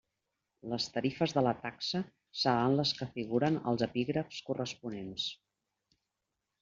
Les tarifes de la taxa seran les que figuren als epígrafs corresponents.